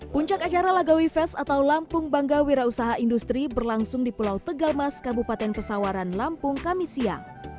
puncak acara lagawi fest atau lampung bangga wira usaha industri berlangsung di pulau tegalmas kabupaten pesawaran lampung kamisia